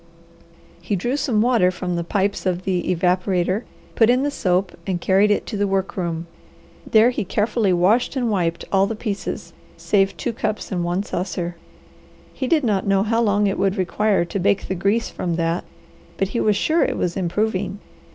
He drew some water from the pipes of the evaporator, put in the soap, and carried it to the work room. There he carefully washed and wiped all the pieces, save two cups and one saucer. He did not know how long it would require to bake the grease from that, but he was sure it was improving.